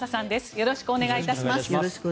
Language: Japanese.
よろしくお願いします。